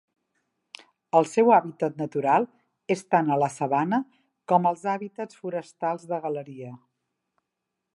El seu hàbitat natural és tant a la sabana com els hàbitats forestals de galeria.